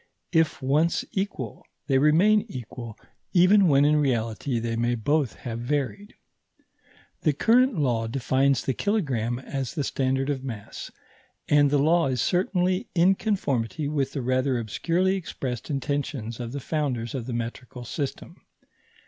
If once equal, they remain equal even when in reality they may both have varied. The current law defines the kilogramme as the standard of mass, and the law is certainly in conformity with the rather obscurely expressed intentions of the founders of the metrical system.